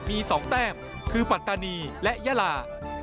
มี๒แต้มคือปัตตานีและยาลา